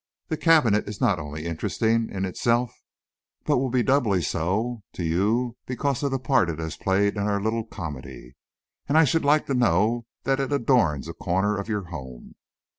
The cabinet is not only interesting in itself, but will be doubly so to you because of the part it has played in our little comedy. And I should like to know that it adorns a corner of your home.